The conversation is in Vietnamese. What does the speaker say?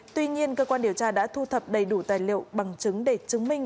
tuy nhiên cơ quan điều tra đã thu thập đầy đủ tài liệu bằng chứng để chứng minh